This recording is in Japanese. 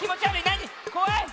なに？こわい！